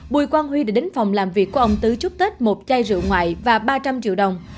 bùi quang huy đã đến phòng làm việc của ông tứ chúc tết một chai rượu ngoại và ba trăm linh triệu đồng